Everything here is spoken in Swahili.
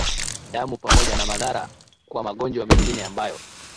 damu pamoja na madhara kwa magonjwa mengine ambayo